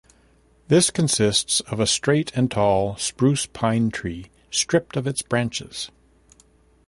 This consists of a straight and tall spruce-pine tree, stripped of its branches.